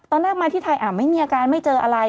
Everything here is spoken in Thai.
ตอนแรกมาที่ไทยไม่มีอาการไม่เจออะไร